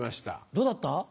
どうだった？